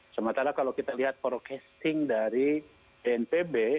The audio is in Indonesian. sementara kalau kita lihat forecasting dari dnpb